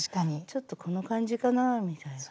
「ちょっとこの感じかなあ」みたいな。